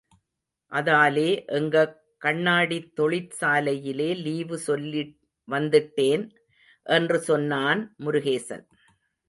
அதாலே எங்க கண்ணாடித் தொழிற்சாலையிலே லீவு சொல்லி வந்திட்டேன். என்று சொன்னான் முருகேசன்.